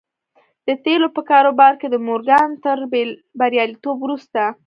د تيلو په کاروبار کې د مورګان تر برياليتوب وروسته.